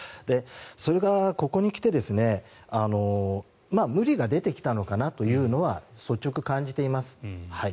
それがここに来て無理が出てきたのかなというのは率直、感じています。